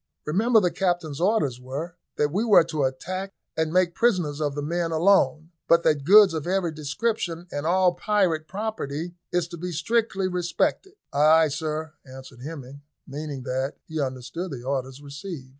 "Remember the captain's orders were, that we were to attack and make prisoners of the men alone, but that goods of every description and all private property is to be strictly respected." "Ay, ay, sir," answered Hemming, meaning that he understood the orders received.